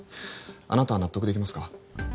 あなたは納得できますか？